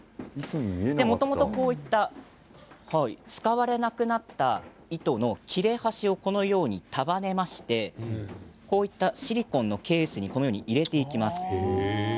こういった使われなくなった糸の切れ端を束ねましてシリコンのケースに入れていきます。